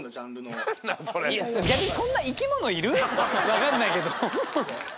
わかんないけど。